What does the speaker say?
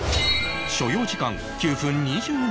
所要時間９分２７秒